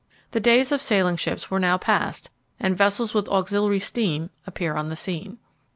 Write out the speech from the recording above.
The days of sailing ships were now past, and vessels with auxiliary steam appear on the scene.